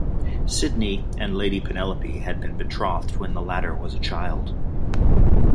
Sidney and Lady Penelope had been betrothed when the latter was a child.